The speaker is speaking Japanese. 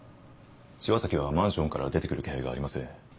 千和崎はマンションから出て来る気配がありません。